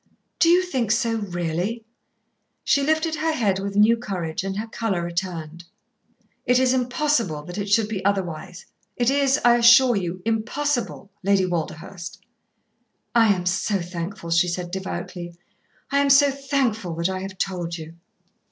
"Do you think so, really?" She lifted her head with new courage and her colour returned. "It is impossible that it should be otherwise. It is, I assure you, impossible, Lady Walderhurst." "I am so thankful," she said devoutly. "I am so thankful that I have told you."